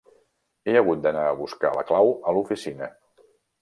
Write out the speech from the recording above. He hagut d'anar a buscar la clau a l'oficina.